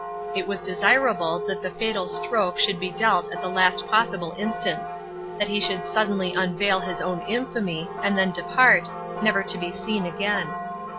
It was desirable that the fatal stroke should be dealt at the last possible instant; that he should suddenly unveil his own infamy, and then depart, never to be seen again.